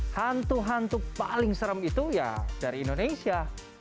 hantu hantu paling serem itu ya dari indonesia